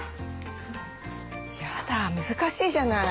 やだ難しいじゃない。